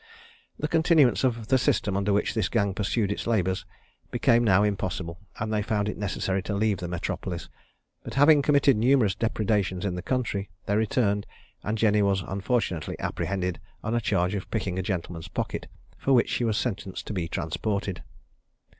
The continuance of the system under which this gang pursued its labours became now impossible, and they found it necessary to leave the metropolis; but having committed numerous depredations in the country, they returned, and Jenny was unfortunately apprehended on a charge of picking a gentleman's pocket, for which she was sentenced to be transported.